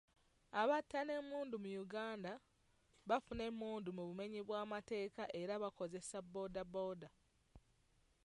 Abatta n'emmundu mu Uganda bafuna emmundu mu bumenyi bw'amateeka era bakoseza booda booda.